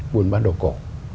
muôn bán đồ cổ